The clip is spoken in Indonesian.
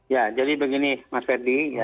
ya jadi begini mas ferdi